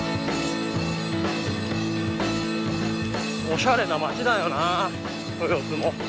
おしゃれな街だよなあ豊洲も。